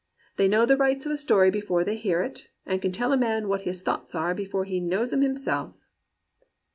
They know the rights of a story before they hear it, and can tell a man what his thoughts are before he knows 'em himself.'